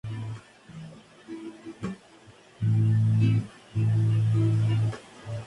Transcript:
Su cuerpo es alargado y comprimido posteriormente.